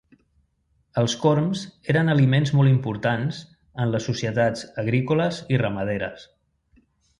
Els corms eren aliments molt importants en les societats agrícoles i ramaderes.